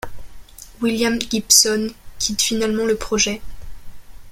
William Gibson quitte finalement le projet.